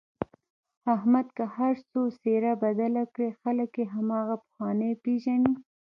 احمد که هرڅو څهره بدله کړي خلک یې هماغه پخوانی پېژني.